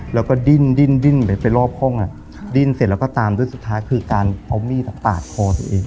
แล้วก็ดิ้นดิ้นดิ้นไปไปรอบห้องอ่ะครับดิ้นเสร็จแล้วก็ตามด้วยสุดท้ายคือการเอามีดตากตากคอตัวเอง